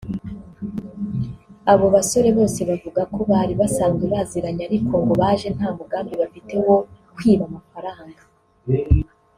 Abo basore bose bavuga ko bari basanzwe baziranye ariko ngo baje nta mugambi bafite wo kwiba amafaranga